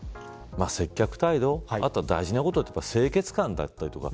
接客態度、あとは大事なことは清潔感だったりとか